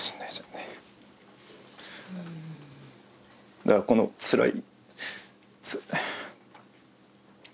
だからこのつらい。